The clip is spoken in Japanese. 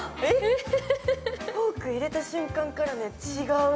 フォーク入れた瞬間から違う。